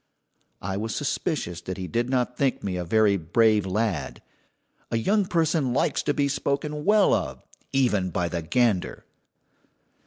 I was suspicious that he did not think me a very brave lad. A young person likes to be spoken well of, even by the gander.